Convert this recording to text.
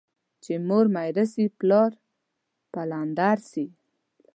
چي مور ميره سي ، پلار پلندر سي.